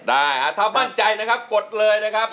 ได้ถ้ามั่นใจนะครับกดเลยนะครับ